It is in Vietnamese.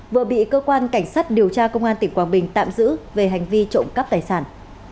vừa bị cơ quan cảnh sát điều tra công an tỉnh quảng bình tạm giữ về hành vi trộm cắp tài sản